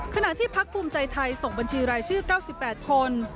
ขณะที่พักภูมิใจไทยส่งบัญชีรายชื่อ๙๘คน